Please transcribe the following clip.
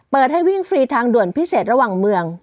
ให้วิ่งฟรีทางด่วนพิเศษระหว่างเมือง